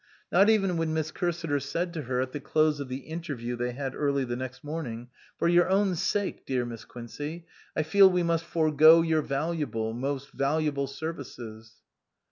Not even when Miss Cursiter said to her, at the close of the interview they had early the next morning, " For your own sake, dear Miss Quincey, I feel we must forego your valuable most valuable services."